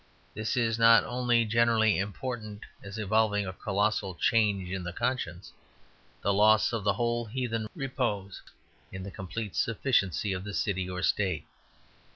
This is not only generally important as involving a colossal change in the conscience; the loss of the whole heathen repose in the complete sufficiency of the city or the state.